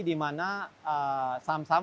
di mana saham saham